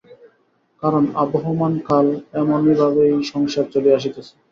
কারণ, আবহমানকাল এমনি ভাবেই সংসার চলিয়া আসিতেছে।